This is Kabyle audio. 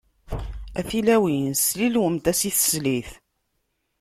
A tilawin, slilwemt-as i teslit!